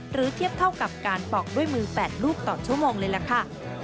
เทียบเท่ากับการปอกด้วยมือ๘ลูกต่อชั่วโมงเลยล่ะค่ะ